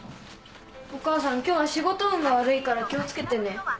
お母さん今日は仕事運が悪いから気をつけてね。